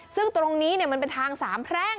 ซึ่งตรงนี้มันเป็นทางสามแพร่ง